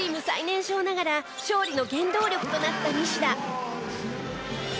最年少ながら勝利の原動力となった西田。